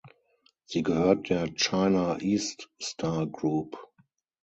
Sie gehört der China East Star Group.